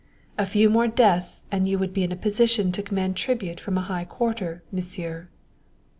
"A few more deaths and you would be in a position to command tribute from a high quarter, Monsieur."